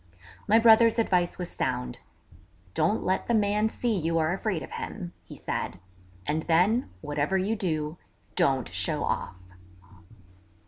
My brother's advice was sound: 'Don't let the man see you are afraid of him,' he said, 'and then, whatever you do, don't show off.'